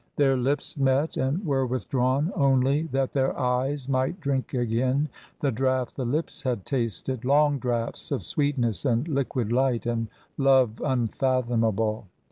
Their lips met and were withdrawn only that their eyes might drink again the draught the lips had tasted, long draughts of sweetness and liquid light and love unfathomable.